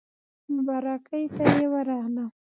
مبارکۍ ته یې ورغلم.